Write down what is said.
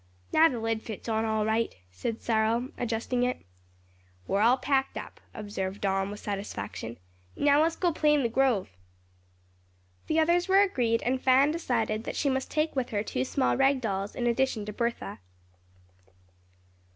"Now the lid fits on all right," said Cyril, adjusting it. "We're all packed up," observed Don, with satisfaction. "Now let's go play in the grove." The others were agreed and Fan decided that she must take with her two small rag dolls in addition to Bertha.